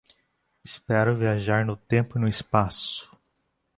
Espero viajar no tempo e no espaço